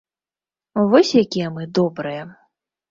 Вось якія мы добрыя!